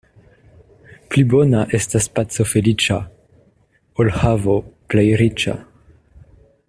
Pli bona estas paco feliĉa, ol havo plej riĉa.